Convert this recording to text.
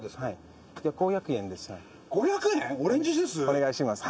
お願いします